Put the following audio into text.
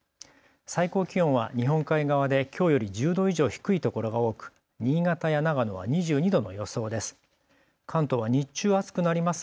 最高気温は日本海側できょうより１０度以上低い所が多く新潟や長野は２２度の予想です。